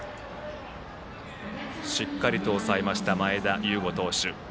しっかりと抑えました前田悠伍投手。